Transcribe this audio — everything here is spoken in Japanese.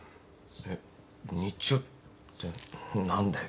えっ日曜って何だよ